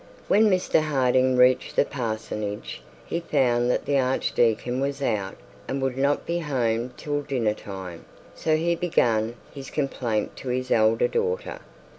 When Mr Harding reached the parsonage he found that the archdeacon was out, and would not be home till dinner time, so he began his complaint to his elder daughter.